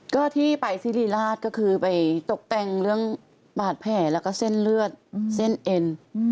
ก็ที่ไปซิริราชก็คือไปตกแต่งเรื่องบาดแผลแล้วก็เส้นเลือดเส้นเอ็น